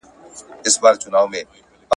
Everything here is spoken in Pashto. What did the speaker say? دا یو تاریخي میراث و چي نسلونو ته پاته سوی و.